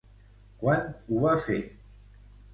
Quan ho va fer?